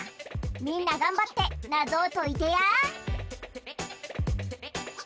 みんながんばってなぞをといてや。